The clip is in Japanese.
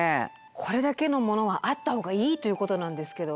これだけのものがあった方がいいということなんですけど。